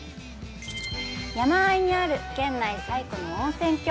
山あいにある県内最古の温泉郷